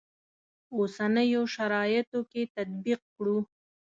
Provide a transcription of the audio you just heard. اوسنیو شرایطو کې تطبیق کړو.